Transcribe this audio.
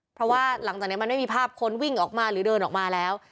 เพราะว่าหลังจากนี้มันไม่มีภาพคนวิ่งออกมาหรือเดินออกมาแล้ว